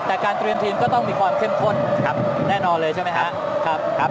แต่การทรียมทีมก็ต้องมีความเข้มข้นแน่นอนเลยนะครับ